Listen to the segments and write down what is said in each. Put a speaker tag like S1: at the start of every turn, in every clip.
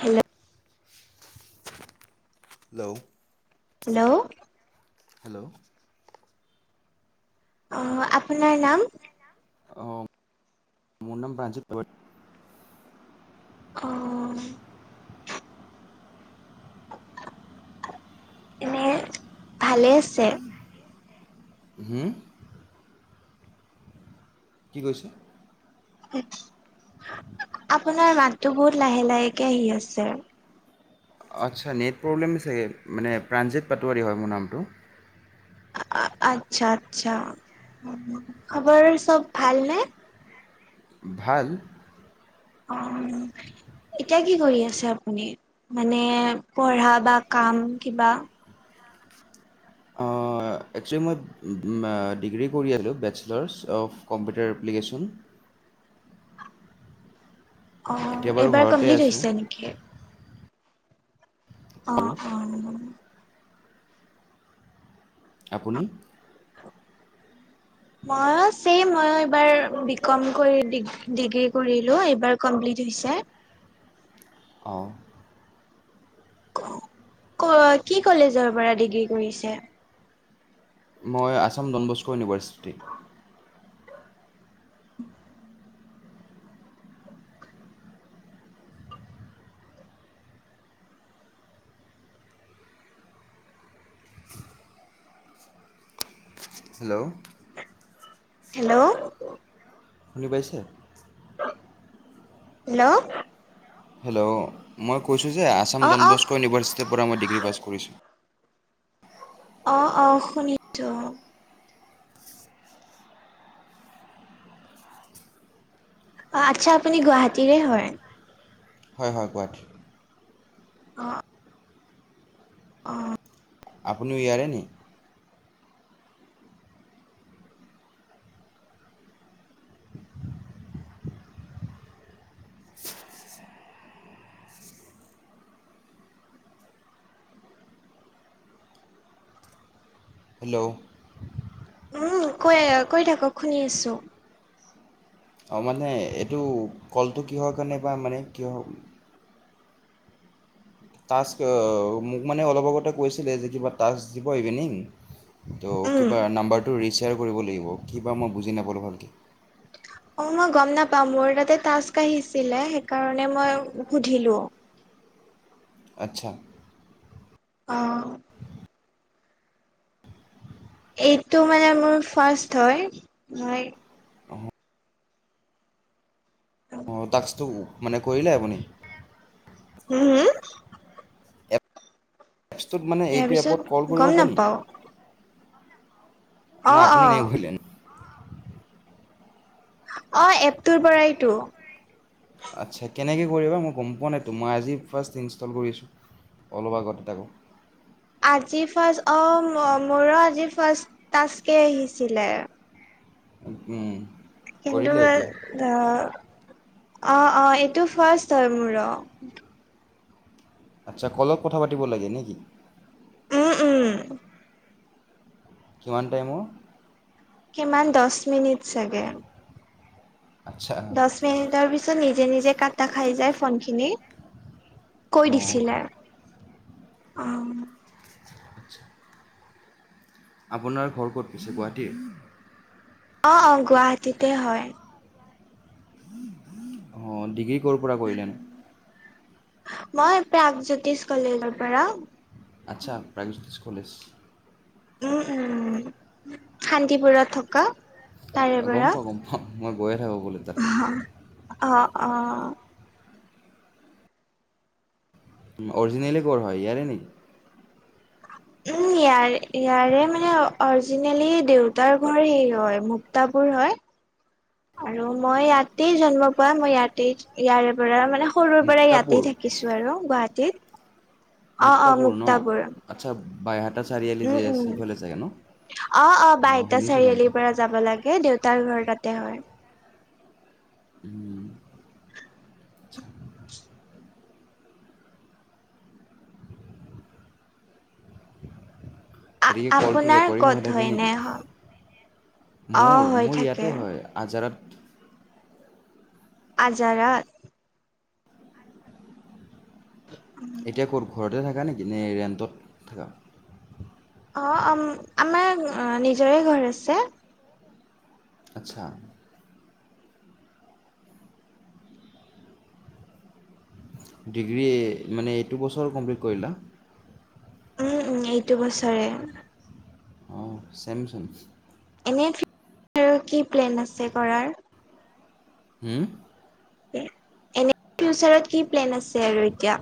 S1: Hello
S2: hello
S1: hello
S2: hello
S1: অ আপোনাৰ নাম
S2: আহ মোৰ নাম প্ৰানজিত
S1: অ এনে ভালে আছে
S2: হম কি কৈছে
S1: আপোনাৰ মাতটো বহুত লাহে লাহেকে আহি আছে আৰু
S2: আচ্ছা নেট প্ৰব্লেম চাগে মানে প্ৰাণজিত পাটোৱাৰী হয় মোৰ নামটো
S1: আচ্ছা আচ্ছা খবৰ চব ভাল নে
S2: ভাল
S1: অ এতিয়া কি কৰি আছে আপুনি মানে পঢ়া বা কাম কিবা
S2: একচুৱেলি মই ডিগ্ৰী কৰি আছিলোঁ বেচেলাৰছ অৱ কম্পিউটাৰ এপ্লিকেশ্যন
S1: অ
S2: এতিয়া বাৰু
S1: এইবাৰ
S2: ঘৰতে
S1: কমপ্লিট
S2: আছোঁ
S1: হৈছে নেকি অ অ
S2: আৰু আপুনি
S1: মইো মইয়ো চেম মই এইবাৰ বি কম কৰি ডিগ্ৰী কৰিলো এইবাৰ কমপ্লিট হৈছে
S2: অহ
S1: ক কি কলেজৰ পৰা ডিগ্ৰী কৰিছে
S2: মই Assam Don Bosco university hello
S1: hello
S2: শুনি পাইছে
S1: হেল্ল'
S2: হেল্ল' মই কৈ ছো যে আসাম
S1: অ অ
S2: ডনবস্কো ইউনিভাৰ্চিটিৰ পৰা মই ডিগ্ৰী পাছ কৰিছোঁ
S1: অহ অহ শুনিছো অ আচ্ছা আপুনি গুৱাহাটীৰে হয়
S2: হয় হয় গুৱাহাটীৰ
S1: অ। অ
S2: আপুনিও ইয়াৰে নে হেল্ল'
S1: উম কৈ কৈ থাকক শুনি আছো
S2: অঁ মানে এইটো কলটো কিহৰ কাৰণে বা মানে কি টাস্ক মোক মানে অলপ আগতে কৈছিলে যে কিবা টাস্ক দিব ইভিনিং কি
S1: উম
S2: নম্বাৰ ৰিচিভ শ্বেয়াৰ কৰিব লাগিব কি বা মই বুজি নাপালোঁ ভালকৈ
S1: অ মই গম নাপাওঁ মোৰ তাতে তাস্ক আহিছিলে সেইকাৰণে মই সুধিলো অ
S2: আচ্ছা
S1: অ এইটো মানে মোৰ ফাৰ্ষ্ট হয় মই হুম
S2: অঁ টাক্সটো মানে কৰিলে আপুনি
S1: হম হম
S2: এপছটোত মানে এইটো
S1: ইয়াৰ
S2: এপত কল
S1: পিছত
S2: কৰিব
S1: গম নাপাও
S2: ন
S1: অ
S2: আপুনি
S1: অ
S2: নাই ঘূৰিলেনো
S1: অ এপটোৰ পৰাইতো
S2: আচ্ছা কেনেকৈ কৰিবা মই গম পোৱা নাইতো মই আজি ফাৰ্ষ্ট ইনষ্টল কৰিছোঁ অলপ আগতে তাকো
S1: আজি ফাৰ্ষ্ট অ মোৰো আজি ফাৰ্ষ্ট টাক্সকে আহিছিলে
S2: উম
S1: কিন্তু
S2: কৰিলে
S1: এ
S2: এতিয়া
S1: অ অ অ এইটো ফাৰ্ষ্ট হয় মোৰ অ
S2: আচ্ছা কলত কথা পাতিব লাগে নেকি
S1: উম উম
S2: কিমান টাইমৰ
S1: কিমান দহ মিনিট চাগে
S2: আচ্ছা
S1: দহ মিনিটৰ পিছত নি নিজে নিজে কটা খাই যায় ফন খিনি কৈ
S2: অঁ
S1: দিছিলে অ
S2: আচ্ছা। আপোনাৰ ঘৰ ক'ত পিছে গুৱাহাটী।
S1: অ অ গুৱাহাটীতে হয়।
S2: অ ডিগ্ৰী কৰ পৰা কৰিলা নো
S1: মই প্ৰাগজ্যোতিষ কলেজৰ পৰা
S2: আচ্ছা প্ৰাইভচ চল্লিছ
S1: উম উম শান্তিপুৰত থকা। তাৰে
S2: গম
S1: পৰা
S2: পাওঁ গম পাওঁ মই গৈয়ে থাকোঁ বোলো তাতে
S1: অ অ
S2: অৰজিনেলি ক'ৰ হয় ইয়াৰে নেকি?
S1: উম ইয়াৰে ইয়াৰে মানে অৰজিনেলি দেউতাৰ ঘৰ সেই হয় মুক্তাপুৰ হয় আৰু মই ইয়াতেই জন্ম পোৱা মই ইয়াতেই ইয়াৰে পৰা মানে সৰুৰ পৰা
S2: মুক্তাপুৰ
S1: ইয়াতেই থাকিছো আৰু গুৱাহাটীত অ অ
S2: মুক্তাপুৰ ন আচ্ছা বাইহাতা
S1: উম উম অ অ
S2: অঁ
S1: বইহাতা
S2: শুনিছোঁ নামটো
S1: চাৰিআলিৰ পৰা যাব লাগে দেউতাৰ ঘৰ তাতে হয়
S2: উম।
S1: আ
S2: গতিকে কলটো
S1: আপোনাৰ
S2: ৰেকৰ্ডিং
S1: ক'ত
S2: হৈ থাকে
S1: হয়
S2: নেকি
S1: এনে অ
S2: মোৰ
S1: হৈ
S2: মোৰ
S1: থাকে
S2: ইয়াতে হয় আজাৰত
S1: আজাৰত
S2: এতিয়া ক'ত ঘৰতে থাক থাকা নেকি নে ৰেণ্টত থাকা
S1: অ আমাৰ নিজৰে ঘৰ আছে।
S2: আচ্ছা ডিগ্ৰী মানে এইটো বছৰ কমপ্লিট কৰিলা
S1: উম উম এইটো বছৰে
S2: অঁ চেমচোন।
S1: এনে কি প্লেন আছে কৰাৰ
S2: হুমও
S1: এনে ফিউচাৰত কি প্লেন আছে আৰু এতিয়া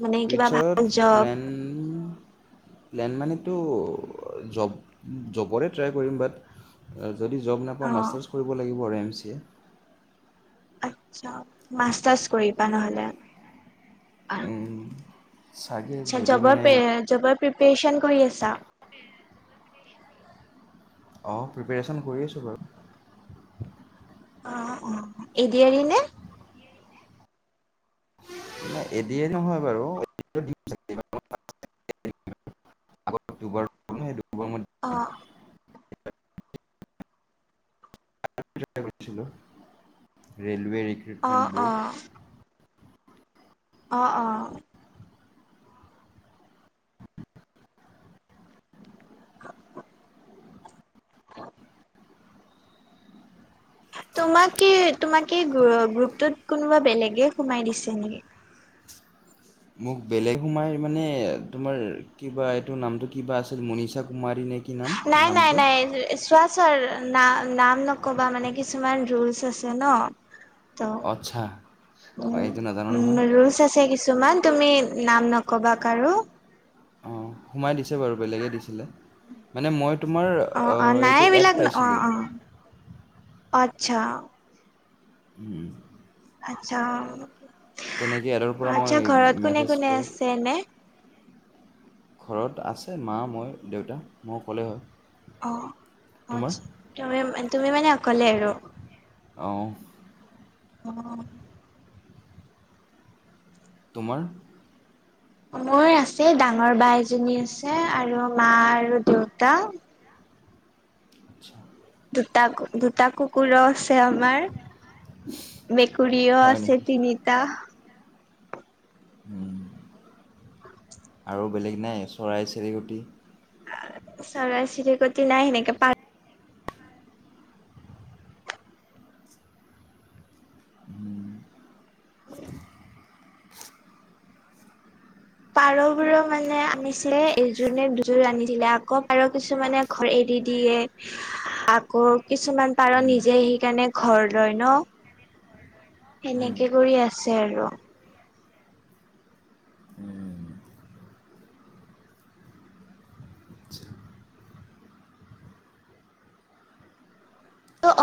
S1: মানে কিবা ভাল
S2: ফিউচাৰত
S1: জব
S2: প্লেন প্লেন মানে তো জ্বব জ্ববৰে ট্ৰাই কৰিম বাট যদি জ্বব নাপাওঁ
S1: অ
S2: মাষ্টাৰছ কৰিব লাগিব ৰেম [inaudible]
S1: আচ্ছা মাষ্টাৰছ কৰিবা নহলে
S2: চাগে
S1: চা
S2: যদি
S1: জবৰ
S2: মানে
S1: পে জব প্ৰিপেৰেশ্যন কৰি আছা।
S2: অঁ প্ৰিপেৰেশ্যন কৰি আছোঁ বাৰু
S1: অ অ এডিআৰি নে?
S2: ন এদিয়ে নহয় বাৰু আগত দুবাৰ কোনে সেইটো
S1: অ
S2: তাৰ পিছত কৰিছিলো ৰেন বেৰি কিক্ৰক
S1: অ',
S2: মেণ্ট বৰ্ড
S1: অ', অ অ [inaudible] [unintelligible] তোমাক কি তোমাকে গ্ৰ গ্ৰুপটোত কোনোবা বেলেগে সোমাই দিছে নেকি?
S2: মোক বেলেগ সোমাই মানে তোমাৰ কিবা এইটো নামটো কি বা আছিল। মনিশা কুমাৰী নে কি নাম
S1: নাই নাই
S2: নামটো?
S1: নাই চোৱা ছাৰ নাম নাম নকবা মানে কিছুমান ৰুলচ আছে ন ত'
S2: আচ্ছা হয়
S1: উম
S2: এইটো নাজানো
S1: উম
S2: নহয়
S1: ৰুলচ আছে কিছুমান তুমি নাম নকবা কাৰো।
S2: অ সোমাই দিছে বাৰু বেলেগে দিছিলে মানে মই তোমাৰ অ এইটো এট পাইছিলোঁ
S1: আতচ্ছা
S2: উম
S1: আচ্ছা
S2: এডৰ পৰা মই
S1: আচ্ছা ঘৰত কোনে
S2: মেছেজ
S1: কোনে
S2: কৰি
S1: আছে এনে?
S2: ঘৰত আছে মা মই দেউতা মই অকলে হয়।
S1: অ অ
S2: তোমাৰ
S1: আতচ্ছা তুমি তুমি মানে অকলে আৰু
S2: অ
S1: অ
S2: তোমাৰ
S1: মোৰ আছে ডাঙৰ বাই এজনী আছে আৰু মা আৰু দেউতা
S2: আচ্ছা
S1: দুটা দুটা কুকুৰছ যে আমাৰ মেকুৰীও
S2: হয়
S1: আছে
S2: নেকি
S1: তিনিটা
S2: উম আৰু বেলেগ নাই চৰাই চিৰিকটি
S1: চৰাই চিৰিকটি নাই সেনেকে পাৰ [inaudible] পাৰবোৰো মানে আনিছিলে এযোৰ নে দুযোৰ আনিছিলে আকৌ পাৰ কিছুমানে ঘৰ এৰি দিয়ে আকৌ কিছুমান পাৰ নিজে আহি কাৰণে ঘৰ লয় ন
S2: উম,
S1: সেনেকে কৰি আছে আৰু
S2: উম।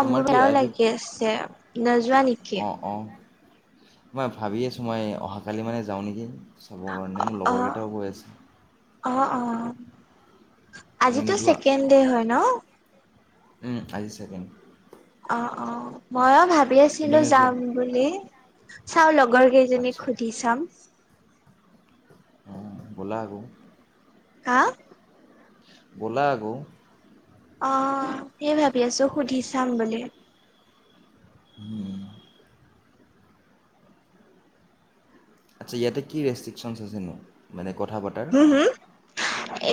S1: অমবো
S2: কি
S1: মেলাও
S2: আজি
S1: লাগি আছে। নো যোৱা নেকি?
S2: অঁ অঁ মই ভাবি আছোঁ মই অহাকালি মানে যাওঁ নেকি? চাবৰ কাৰণে মোৰ
S1: অ',
S2: লগৰকেইটাও কৈ আছে।
S1: অ
S2: তুমি
S1: আজিতো ছেকেণ্ড দে হয় ন,
S2: ও আজি ছেকেণ্ড
S1: অ অ মইঅ ভাত ভাবি
S2: তুমি
S1: আছিলো
S2: নোযোৱা
S1: যাম বুলি চও লক লগৰ কেইজনীক
S2: আচ্ছা
S1: সুধি চাম।
S2: অ ব'লা আকৌ,
S1: হা
S2: বলা‌‌ আক
S1: অ সেই ভাবি আছো সুধি চাম বুলি,
S2: আচ্ছা ইয়াতে কি ৰেষ্ট্ৰিক্ছন আছেনো মানে, কথা পতাৰ
S1: উম হম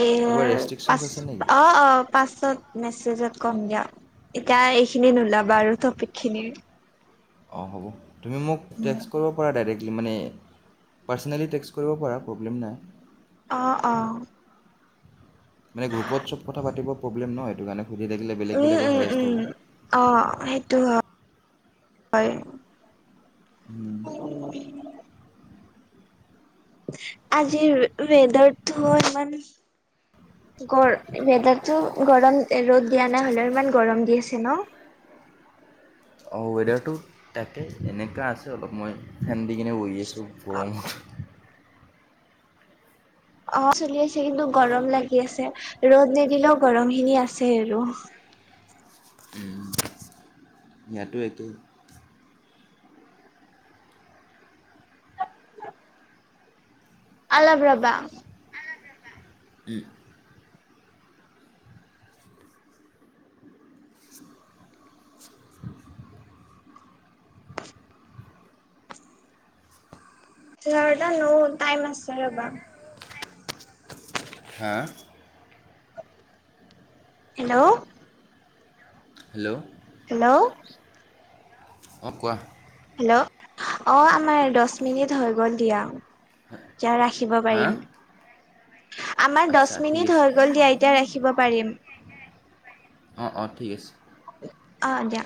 S1: এ
S2: কিবা ৰেষ্ট্ৰিকশ্যনছ
S1: পাচ
S2: আছে নেকি
S1: অ অ পাচত মেছেজত কম দিয়া এতিয়া এইখিনি নোলাবা আৰু টপিক খিনিৰ
S2: অঁ হ'ব তুমি মোক টেক্স কৰিব পৰা দাৰেক। মানে পাৰ্চনেলি টেক্স কৰিব পৰা প্ৰব্লেম নাই।
S1: অ অ
S2: মানে গ্ৰুপত চব কথা পাতিৰ প্ৰব্লেম নয় সেইটো কাৰণে সুধি থাকিলে বেলেগ
S1: উম
S2: বেলেগৰ
S1: উম
S2: হেৰেষ্ট হ'ব
S1: উম অ সেইটো হয়। হয় [unintelligible] আজিৰ ৱেদাৰটো ইমান গৰ ৱেদাৰটো গৰম ৰ'দ দিয়া নাই হলেও ইমান গৰম দি আছে ন?
S2: অঁ ৱেডাৰটো তাকে এনেকুৱা আছে অলপ মই ফেন দি কিনে বহি আছোঁ গৰম
S1: অ চলি আছে কিন্তু গৰম লাগি আছে ৰ'দ নিদিলেও গৰম খিনি আছে আৰু
S2: ইয়াতো একেই
S1: আৰু অলপ ৰবা
S2: ওহ
S1: এঘাৰ ন টাইম আছে ৰ'বা।
S2: হা
S1: [unintelligible] হেল্ল'
S2: হেল্ল'
S1: হেল্ল'
S2: অ কোৱা
S1: হেল্ল' অ আমাৰ দহ মিনিট হৈ গ'ল দিয়া এতিয়া ৰাখিব পাৰিম।
S2: হা
S1: আমাৰ দহ
S2: আচ্ছা ঠিক
S1: মিনিট
S2: আছে
S1: হৈ গ'ল দিয়া এতিয়া ৰাখিব পাৰিম।
S2: অঁ অঁ ঠিক আছে।
S1: অ দিয়া